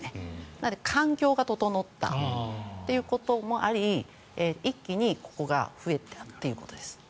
だから環境が整ったということもあり一気にここが増えたということです。